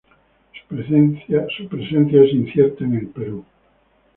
Su presencia es incierta en el Perú.